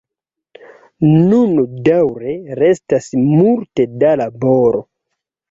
Nun daŭre restas multe da laboro.